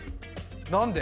何で？